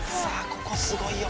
ここすごいよ。